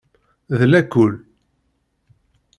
D lakul.